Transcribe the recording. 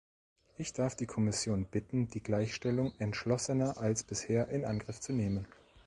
Ich darf die Kommission bitten, die Gleichstellung entschlossener als bisher in Angriff zu nehmen.